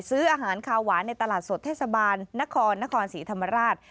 ซื้ออาหารคาวหวานในตลาดสดเทศบาลนครนครศรีธรรมราช